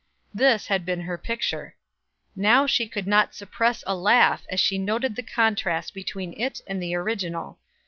This had been her picture. Now she could not suppress a laugh as she noted the contrast between it and the original.